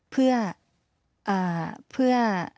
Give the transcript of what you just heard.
เพื่อ